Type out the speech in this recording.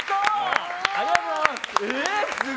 ありがとうございます。